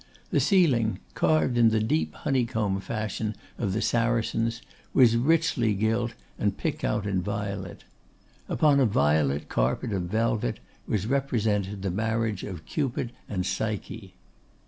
The ceiling, carved in the deep honeycomb fashion of the Saracens, was richly gilt and picked out in violet. Upon a violet carpet of velvet was represented the marriage of Cupid and Psyche.